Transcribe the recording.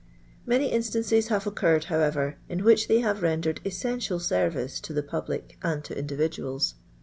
Many instances have occurred, however, in which they have rendered essential service to the pub lic and to individuals.